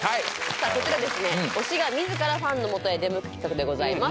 こちらですね推しが自らファンの元へ出向く企画でございます